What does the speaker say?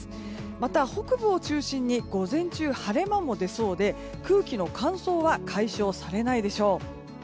また北部を中心に午前中、晴れ間も出そうで空気の乾燥は解消されないでしょう。